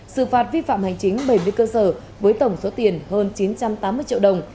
sự phạt vi phạm hành chính bảy mươi cơ sở với tổng số tiền hơn chín trăm tám mươi triệu đồng